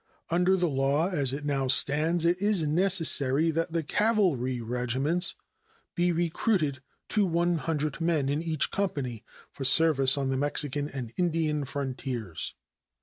Under the law as it now stands it is necessary that the cavalry regiments be recruited to 100 men in each company for service on the Mexican and Indian frontiers.